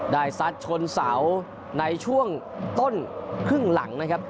ซัดชนเสาในช่วงต้นครึ่งหลังนะครับ